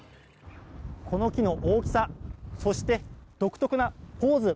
この木の大きさ、そして独特なポーズ。